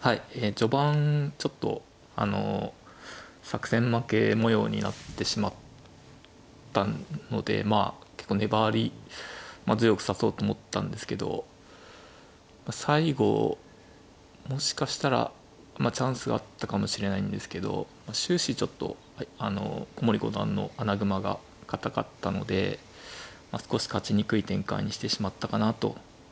序盤ちょっとあの作戦負け模様になってしまったのでまあ結構粘り強く指そうと思ったんですけど最後もしかしたらチャンスがあったかもしれないんですけど終始ちょっとあの古森五段の穴熊が堅かったので少し勝ちにくい展開にしてしまったかなと思いました。